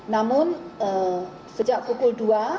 namun sejak pukul dua